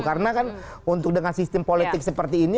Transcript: karena kan untuk dengan sistem politik seperti ini